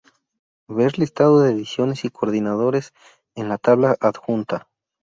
Ver listado de ediciones y coordinadores en la tabla adjunta.